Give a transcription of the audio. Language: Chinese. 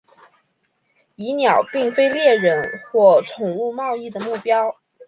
蚁鸟并非猎人或宠物贸易的目标。